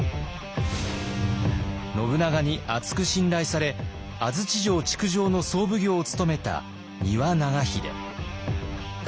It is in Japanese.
信長に厚く信頼され安土城築城の総奉行を務めた丹羽長秀。